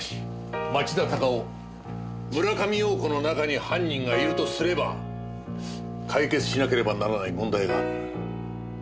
町田隆夫村上陽子の中に犯人がいるとすれば解決しなければならない問題がある。